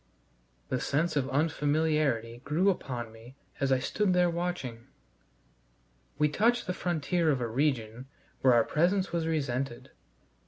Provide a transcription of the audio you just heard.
The sense of unfamiliarity grew upon me as I stood there watching. We touched the frontier of a region where our presence was resented.